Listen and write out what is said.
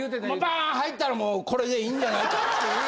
バーン入ったらもうこれでいいんじゃないかっていう。